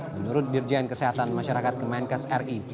menurut dirjen kesehatan masyarakat kementerian kesehatan ri